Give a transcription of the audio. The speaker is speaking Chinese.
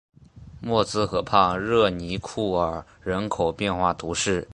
默兹河畔热尼库尔人口变化图示